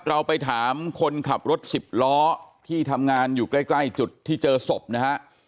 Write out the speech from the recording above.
เราไปถามคนขับรถสิบล้อที่ทำงานอยู่ใกล้จุดที่เจอศพนะฮะ